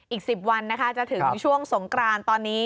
อีก๑๐วันนะคะจะถึงช่วงสงกรานตอนนี้